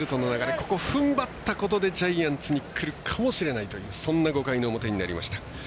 ここ、ふんばったことでジャイアンツにくるかもしれないという５回の表になりました。